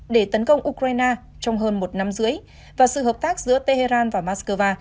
để tấn công ukraine trong hơn một năm rưỡi và sự hợp tác giữa tehran và moscow